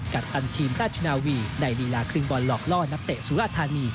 ตันทีมราชนาวีในลีลาครึ่งบอลหลอกล่อนักเตะสุราธานี